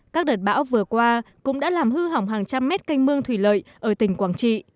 các đợt bão vừa qua cũng đã làm hư hỏng hàng trăm mét canh mương thủy lợi ở tỉnh quảng trị